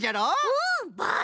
うん！